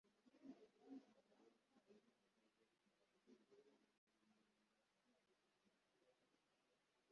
Umushyigikiye Obama Biden yishimiye umukandida wa Perezida na mugenzi we biyamamariza